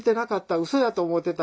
うそやと思うてた」